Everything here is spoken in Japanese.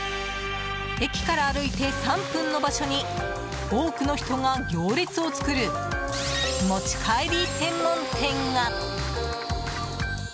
駅から歩いて３分の場所に多くの人が行列を作る持ち帰り専門店が。